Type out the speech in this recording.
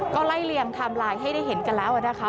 ก็ไล่เลี่ยงไทม์ไลน์ให้ได้เห็นกันแล้วนะคะ